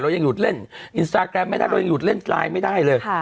ยังหยุดเล่นอินสตาแกรมไม่ได้เรายังหยุดเล่นไลน์ไม่ได้เลย